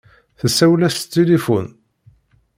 Tessawel-as s tilifun.